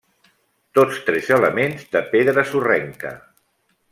Tots tres elements de pedra sorrenca.